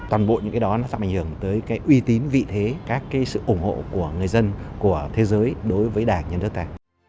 toàn bộ những cái đó nó sẽ ảnh hưởng tới cái uy tín vị thế các cái sự ủng hộ của người dân của thế giới đối với đảng nhà nước ta